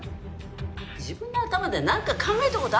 自分の頭でなんか考えた事あんのか？